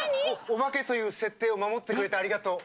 おばけという設定を守ってくれてありがとう。